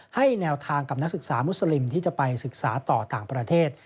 ให้แนวทางกับนักศึกษามุสลิมที่จะไปศึกษาต่อต่างประเทศ